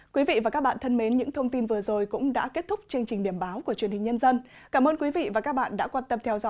quý vị và các bạn thân mến những thông tin vừa rồi cũng đã kết thúc chương trình điểm báo của truyền hình nhân dân